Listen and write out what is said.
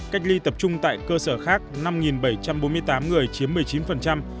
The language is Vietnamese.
cách ly tập trung tại cơ sở khác năm bảy trăm bốn mươi tám người chiếm một mươi chín